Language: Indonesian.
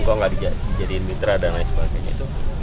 apalagi dijadiin mitra dan lain sebagainya itu